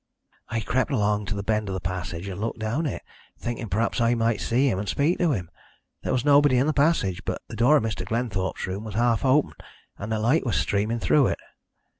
"I crept along to the bend of the passage, and looked down it, thinking perhaps I might see him and speak to him. There was nobody in the passage, but the door of Mr. Glenthorpe's room was half open and a light was streaming through it.